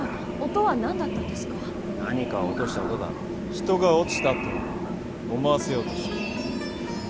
人が落ちたと思わせようとした。